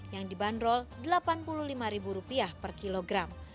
yang dibanderol delapan puluh lima ribu rupiah per kilogram